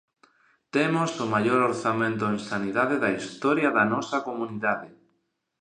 Temos o maior orzamento en sanidade da historia da nosa comunidade.